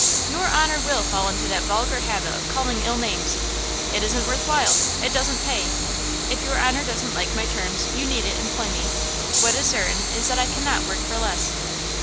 "Your honor will fall into that vulgar habit of calling ill names. It isn't worth while! It doesn't pay! If your honor doesn't like my terms, you needn't employ me. What is certain is that I cannot work for less!"